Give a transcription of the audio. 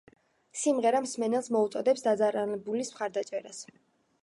სიმღერა მსმენელს მოუწოდებს დაზარალებულის მხარდაჭერას.